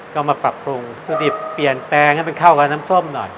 ก็มาปรับปรุงสูตรดิบเปลี่ยนแปลงให้มันเข้ากับน้ำส้มหน่อย